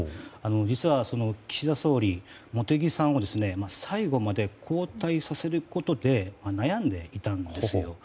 実は岸田総理、茂木さんを最後まで交代させることで悩んでいたんですよ。